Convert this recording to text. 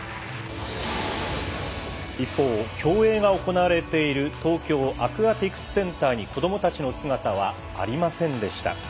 一方競泳が行われている東京アクアティクスセンターに子どもたちの姿はありませんでした。